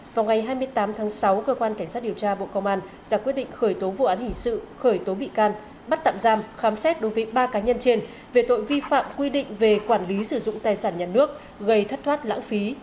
vào ngày hai mươi tám tháng sáu cơ quan cảnh sát điều tra bộ công an ra quyết định khởi tố vụ án hình sự khởi tố bị can bắt tạm giam khám xét đối với ba cá nhân trên về tội vi phạm quy định về quản lý sử dụng tài sản nhà nước gây thất thoát lãng phí